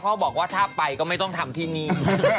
บอกว่าถ้าไปก็ไม่ต้องทำที่นี่